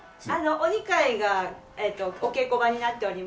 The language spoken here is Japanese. お二階がお稽古場になっておりまして。